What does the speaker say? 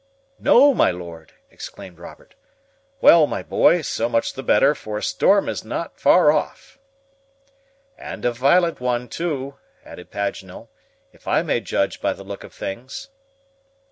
"No, my Lord!" exclaimed Robert. "Well, my boy, so much the better, for a storm is not far off." "And a violent one, too," added Paganel, "if I may judge by the look of things."